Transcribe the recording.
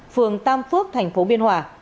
phường tam phước thành phố biên hòa